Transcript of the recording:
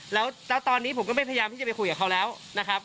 แล้วตอนนี้ผมก็ไม่พยายามที่จะไปคุยกับเขาแล้วนะครับ